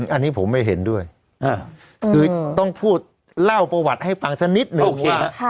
อันนี้ผมไม่เห็นด้วยคือต้องพูดเล่าประวัติให้ฟังสักนิดหนึ่งโอเค